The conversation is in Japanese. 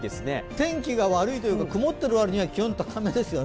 天気が悪いというか、曇っている割には気温、高めですね。